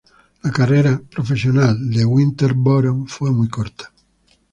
La carrera profesional de Winterbottom fue muy corta.